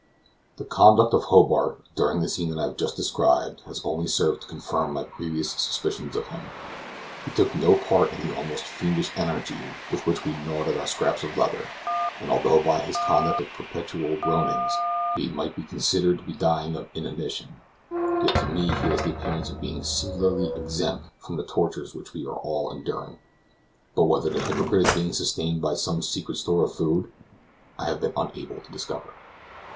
The conduct of Hobart, during the scene that I have just described, has only served to confirm my previous suspicions of him. He took no part in the almost fiendish energy with which we gnawed at our scraps of leather; and, although by his conduct of perpetual groanings, he might be considered to be dying of inanition, yet to me he has the appearance of being singularly exempt from the tortures which we are all enduring. But whether the hypocrite is being sustained by some secret store of food, I have been unable to discover.